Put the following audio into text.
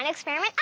あ？